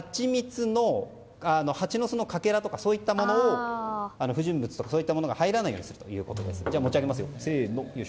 ハチの巣のかけらとか不純物とかそういったものが入らないようにするということです。